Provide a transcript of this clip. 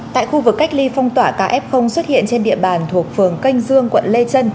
tại khu vực cách ly phong tỏa ca f xuất hiện trên địa bàn thuộc phường canh dương quận lê chân